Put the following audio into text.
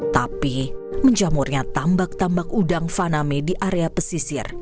tapi menjamurnya tambak tambak udang faname di area pesisir